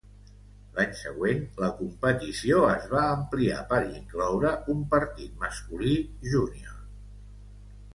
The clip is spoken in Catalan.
L'any següent, la competició es va ampliar per incloure un partit masculí júnior.